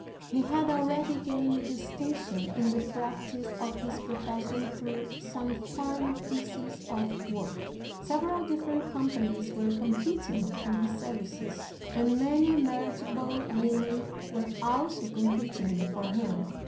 He had already gained distinction in the practice of his profession through some fine pieces of work. Several different companies were competing for his services, and many marriageable women were also competing for him.